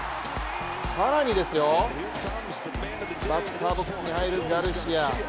更に、バッターボックスに入るガルシア